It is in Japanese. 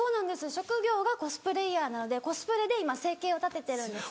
職業がコスプレーヤーなのでコスプレで今生計を立ててるんです。